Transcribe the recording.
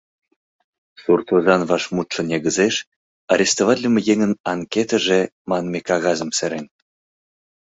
Суртозан вашмутшо негызеш «арестоватлыме еҥын анкетыже» манме кагазым серен.